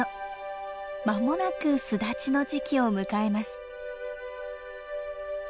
間もなく巣立ちの時期を迎えます。